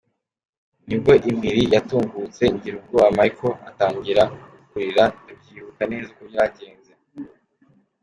Ni bwo impiri yatungutse, ngira ubwoba Michel atangira kurira, ndabyibuka neza uko byagenze.